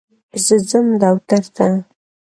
زه ځم دوتر ته.